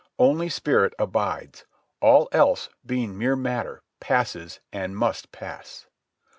Only spirit abides. All else, being mere matter, passes, and must pass.